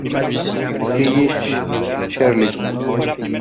Tilly, Charles.